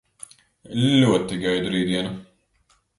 Ļoti gaidu rītdienu.